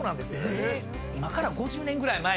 今から５０年ぐらい前。